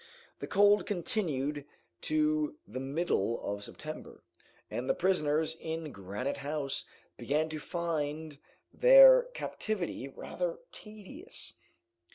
The cold continued to the middle of September, and the prisoners in Granite House began to find their captivity rather tedious.